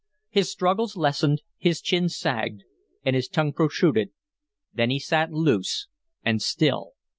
His struggles lessened, his chin sagged, and his tongue protruded, then he sat loose and still.